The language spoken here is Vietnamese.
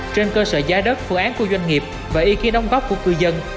trên cơ sở giá đất phương án của doanh nghiệp và ý kiến đóng góp của cư dân